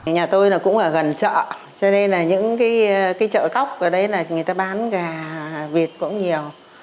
nhà tôi cũng ở gần chợ cho nên là những cái chợ cóc ở đấy là người ta bán gà vịt cũng nhiều